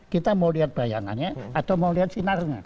kita mau lihat bayangannya atau mau lihat sinarnya